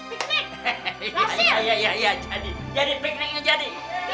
iya pikniknya jadi